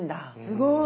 すごい！